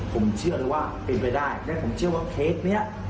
ผมเชื่อเลยว่าเป็นไปได้และผมเชื่อว่าเคสเนี้ย